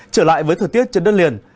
trở lại với thời tiết trên đất liền